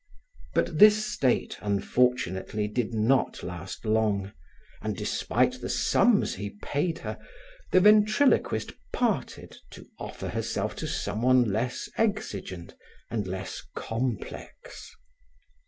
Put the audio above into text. But this state, unfortunately, did not last long, and despite the sums he paid her, the ventriloquist parted to offer herself to someone less exigent and less complex.